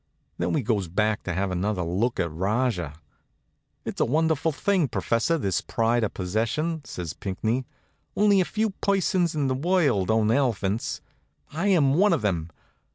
Then we goes back to have another look at Rajah. "It's a wonderful thing, professor, this pride of possession," says Pinckney. "Only a few persons in the world own elephants. I am one of them.